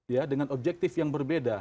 ya dengan objektif yang berbeda